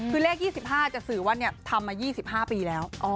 คือเลข๒๕จะสื่อว่าทำมา๒๕ปีแล้ว